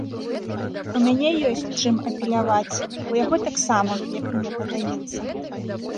У мяне ёсць, чым апеляваць, у яго таксама, як мне падаецца.